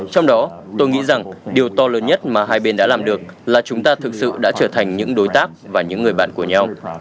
trong đó tôi nghĩ rằng điều to lớn nhất mà hai bên đã làm được là chúng ta thực sự đã trở thành những đối tác và những người bạn của nhau